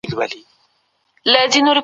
اقتصادي پرمختيا څه رول لري؟